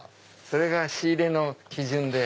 それが仕入れの基準で。